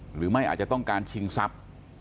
หรือไม่อาจจะต้องการชิงทรัพย์